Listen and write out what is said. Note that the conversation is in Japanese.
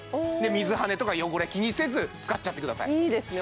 水はねとか汚れ気にせず使っちゃってくださいいいですね